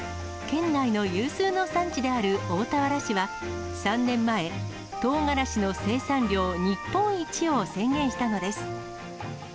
県内の有数の産地である大田原市は３年前、とうがらしの生産量日本一を宣言したのです。